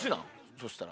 そしたら。